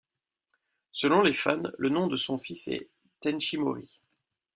Selon les fans, le nom de son fils est Tenshi Mori.